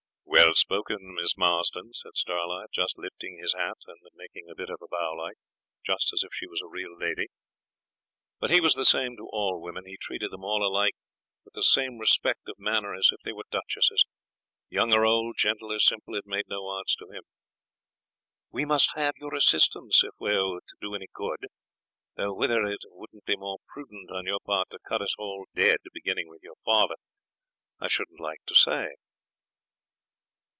'Well spoken, Miss Marston,' said Starlight, just lifting his hat and making a bit of a bow like, just as if she was a real lady; but he was the same to all women. He treated them all alike with the same respect of manner as if they were duchesses; young or old, gentle or simple it made no odds to him. 'We must have your assistance if we're to do any good. Though whether it wouldn't be more prudent on your part to cut us all dead, beginning with your father, I shouldn't like to say.'